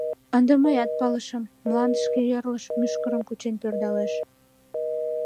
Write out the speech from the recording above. Ынде мыят палышым... — мландышке йӧрлеш, мӱшкырым кучен пӧрдалеш.